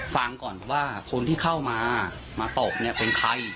ฟังก่อนว่าคนที่เข้ามามาตบเนี่ยเป็นใคร